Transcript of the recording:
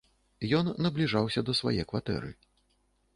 Ён набліжаўся да свае кватэры.